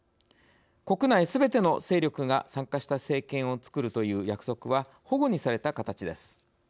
国内すべての勢力が参加した政権をつくるという約束はほごにされた形です。